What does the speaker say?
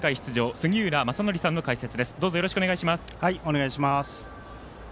杉浦正則さんの解説です。